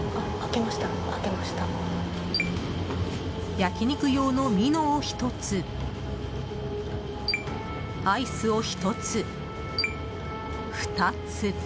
焼き肉用のミノを１つアイスを１つ、２つ。